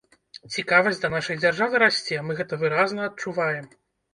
Цікавасць да нашай дзяржавы расце, мы гэта выразна адчуваем.